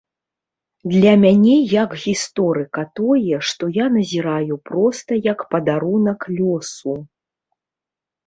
Для мяне як гісторыка тое, што я назіраю проста як падарунак лёсу.